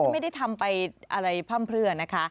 ไม่ได้ทำไปอะไรพร่ำเพลือนะคะ